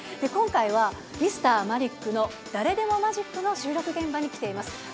今回は「Ｍｒ．マリックの誰でもマジック」の収録現場に来ています。